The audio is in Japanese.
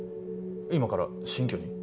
今から新居に？